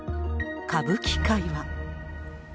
歌舞伎界は。